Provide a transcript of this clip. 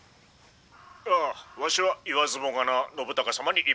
「ああワシは言わずもがな信孝様に１票である」。